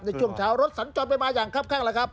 ในช่วงเช้ารถสัญจรไปมาอย่างครับข้างแล้วครับ